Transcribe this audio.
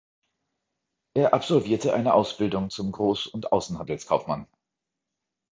Er absolvierte eine Ausbildung zum Groß- und Außenhandelskaufmann.